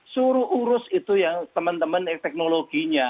suruh urus itu yang teman teman teknologinya